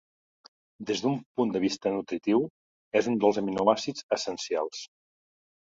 Des d'un punt de vista nutritiu és un dels aminoàcids essencials.